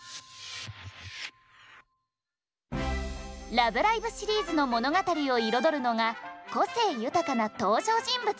「ラブライブ！」シリーズの物語を彩るのが個性豊かな登場人物たち。